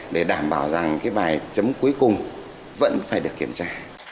để đảm bảo rằng cái bài chấm cuối cùng vẫn phải được kiểm tra